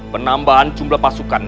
penambahan jumlah pasukan